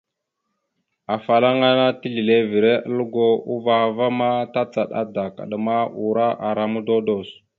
Afalaŋana tislevere aləgo, uvah a ma tacaɗ adak, adəma, ura, ara mododos.